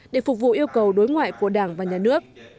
để phục vụ yêu cầu đối ngoại của đảng và nhà nước